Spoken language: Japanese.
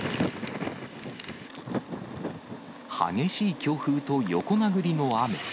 激しい強風と横殴りの雨。